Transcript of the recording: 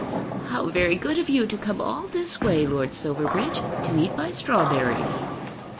"How very good of you to come all this way, Lord Silverbridge, to eat my strawberries."